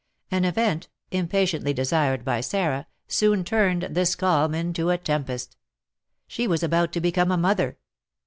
An event, impatiently desired by Sarah, soon turned this calm into a tempest, she was about to become a mother.